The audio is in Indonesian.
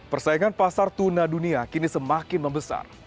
persaingan pasar tuna dunia kini semakin membesar